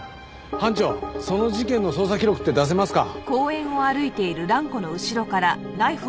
班長その事件の捜査記録って出せますか？